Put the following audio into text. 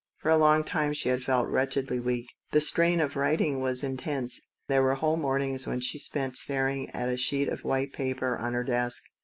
For a long time she had felt wretchedly weak. The strain of writing was intense; there were whole mornings which she spent staring at a sheet of white paper on her desk.